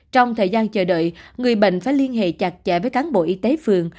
trong thời gian chờ đợi người bệnh phải liên hệ chặt chẽ với cán bộ y tế phường